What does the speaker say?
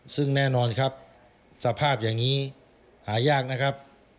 ซึ่งแน่นอนครับสภาพอย่างนี้หายากนะครับ